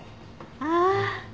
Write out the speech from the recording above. ああ！